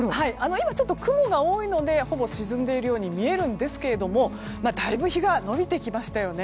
今、ちょっと雲が多いのでほぼ沈んでいるように見えますがだいぶ日が延びてきましたよね。